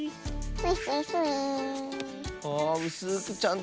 スイスイスイー。